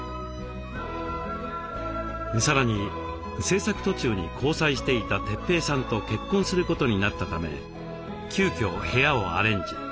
さらに製作途中に交際していた哲平さんと結婚することになったため急遽部屋をアレンジ。